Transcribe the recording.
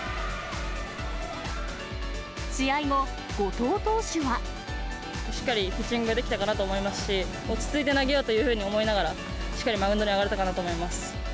試合後、しっかりピッチングができたかなと思いますし、落ち着いて投げようというふうに思いながら、しっかりマウンドに上がれたかなと思います。